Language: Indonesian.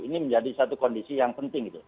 ini menjadi satu kondisi yang penting gitu